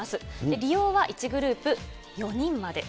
利用は１グループ４人まで。